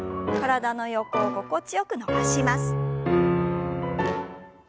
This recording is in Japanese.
体の横を心地よく伸ばします。